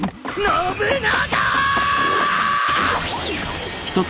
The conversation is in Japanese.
信長！！